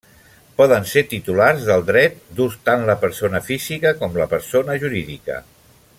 Poden ser titulars del dret d'ús tant la persona física com la persona jurídica.